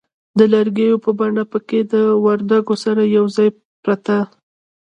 د لږکیو په بڼه پکښې د وردگو سره یوځای پرته